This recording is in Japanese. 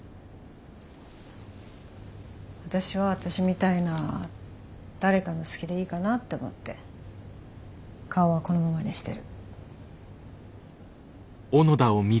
私は私みたいな誰かの好きでいいかなって思って顔はこのままにしてる。